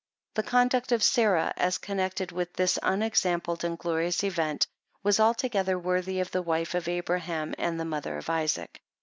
The conduct of Sarah, as connected with this unexampled and glorious event, was altogether worthy of the wife of Abraham, and the mother of Isaac.